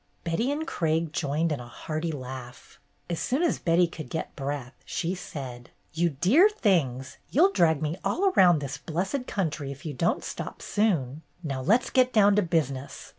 Betty and Craig joined in a hearty laugh. As soon as Betty could get breath, she said: "You dear things, you'll drag me all around this blessed country if you don't stop soon ! Now let 's get down to business.